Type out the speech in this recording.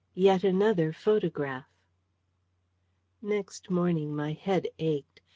YET ANOTHER PHOTOGRAPH Next morning my head ached.